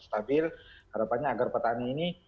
stabil harapannya agar petani ini